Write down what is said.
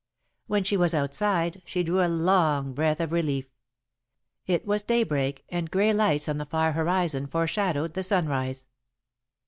When she was outside, she drew a long breath of relief. It was daybreak, and grey lights on the far horizon foreshadowed the sunrise.